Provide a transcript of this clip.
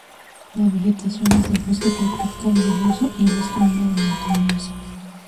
La vegetación es de bosque tropical lluvioso y bosque húmedo montañoso.